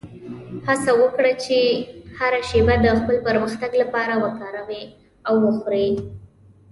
هڅه وکړه چې هره شېبه د خپل پرمختګ لپاره وکاروې او وخورې.